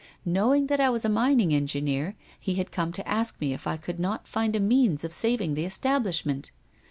Knowing that I was a mining engineer, he had come to ask me if I could not find a means of saving the establishment.